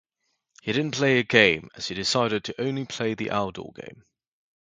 He didn't play a game as he decided to only play the outdoor game.